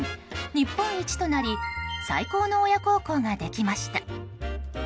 日本一となり最高の親孝行ができました。